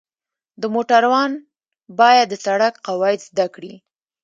د موټروان باید د سړک قواعد زده کړي.